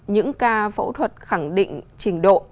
những ca phẫu thuật khẳng định trình độ